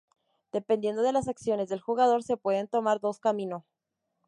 Dependiendo de las acciones del jugador, se pueden tomar dos camino.